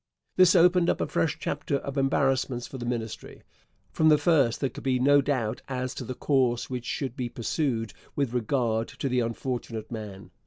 This opened up a fresh chapter of embarrassments for the Ministry. From the first there could be no doubt as to the course which should be pursued with regard to the unfortunate man.